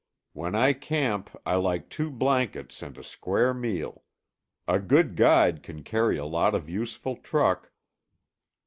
When I camp I like two blankets and a square meal. A good guide can carry a lot of useful truck."